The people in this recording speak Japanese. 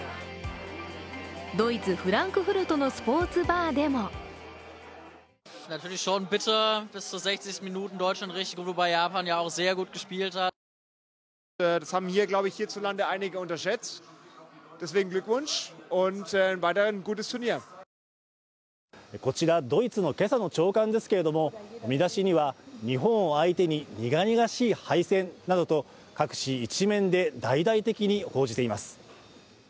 ドイツ・フランクフルトのスポーツバーでもこちら、ドイツの今朝の朝刊ですけれども、見出しには、「日本を相手に苦々しい敗戦」などと各紙、一面で大々的に報じています。